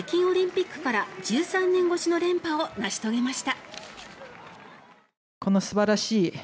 日本は北京オリンピックから１３年越しの連覇を成し遂げました。